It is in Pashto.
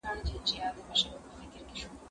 زه به سبا ښوونځی ته ځم وم؟